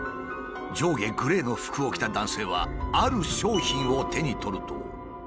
上下グレーの服を着た男性はある商品を手に取ると。